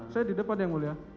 saya di depan yang mulia